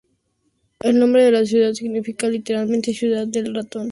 El nombre de la ciudad significa literalmente "ciudad del ratón.